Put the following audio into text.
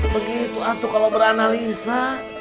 begitu atuh kalau beranalisa